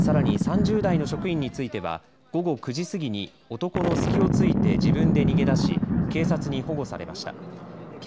さらに、３０代の職員については午後９時過ぎに男の隙を突いて自分で逃げ出し警察に保護されました。